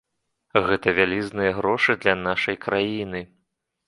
Гэта вялізныя грошы для нашай краіны!